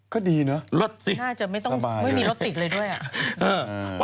ก็ดีเนอะรสสิน่าจะไม่มีรถติดเลยด้วยอะ